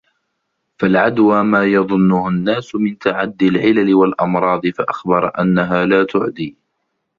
فَالْعَدْوَى مَا يَظُنُّهُ النَّاسُ مِنْ تَعَدِّي الْعِلَلِ وَالْأَمْرَاضِ فَأَخْبَرَ أَنَّهَا لَا تُعْدِي